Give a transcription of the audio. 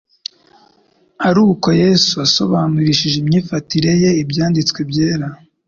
ari uko Yesu asobanurishije imyifatire ye Ibyanditswe byera.